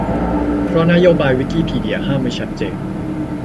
เพราะนโยบายวิกิพีเดียห้ามไว้ชัดเจน